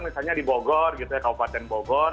misalnya di bogor gitu ya kabupaten bogor